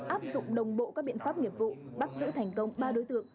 áp dụng đồng bộ các biện pháp nghiệp vụ bắt giữ thành công ba đối tượng